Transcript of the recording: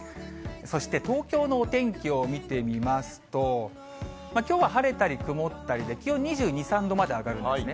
そして東京のお天気を見てみますと、きょうは晴れたり曇ったりで、気温２２、３度まで上がるんですね。